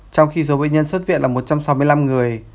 trong khi số bệnh nhân xuất viện là một trăm sáu mươi năm người